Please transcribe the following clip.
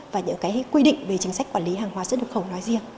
và những quy định về chính sách quản lý hàng hóa xuất nhập khẩu nói riêng